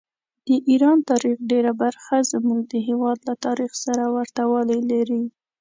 د ایران تاریخ ډېره برخه زموږ د هېواد له تاریخ سره ورته والي لري.